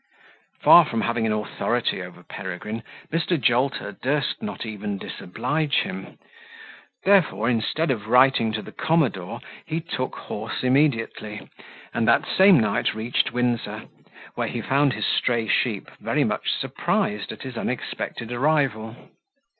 Far from having an authority over Peregrine, Mr. Jolter durst not even disoblige him: therefore, instead of writing to the commodore, he took horse immediately, and that same night reached Windsor, where he found his stray sheep very much surprised at his unexpected arrival.